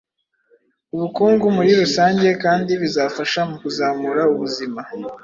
ubukungu muri rusange kandi bizafasha mu kuzamura ubuzima